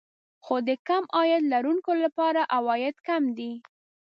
خو د کم عاید لرونکو لپاره عواید کم دي